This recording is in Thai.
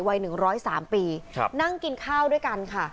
วัยหนึ่งร้อยสามปีครับนั่งกินข้าวด้วยกันค่ะ